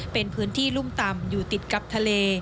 เป็นพื้นที่รุ่มต่ำอยู่ติดกับทะเล